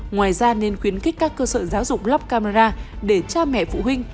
ngoài ra nên khuyến khích các cơ sở giáo dục lắp camera để cha mẹ phụ huynh